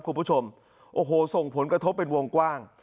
คุณผู้ชมโอ้โหส่งผลกระทบเป็นวงกว้าง